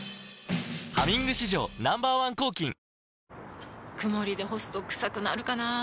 「ハミング」史上Ｎｏ．１抗菌曇りで干すとクサくなるかなぁ。